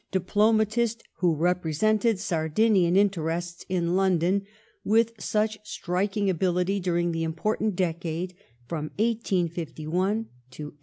191 diplomatist who represented Sardinian interests in liOndon with such striking ability daring the important decade from 1861 to 1861.